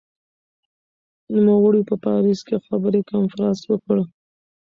نوموړي په پاریس کې خبري کنفرانس وکړ.